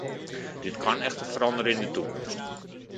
Dit kan echter veranderen in de toekomst.